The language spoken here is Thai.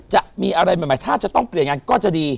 จะมีอะไรใหม่ถ้าจะต้องเปลี่ยนงานก็จะดี